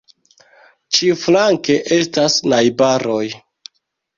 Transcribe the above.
Ĉiuflanke estas najbaroj.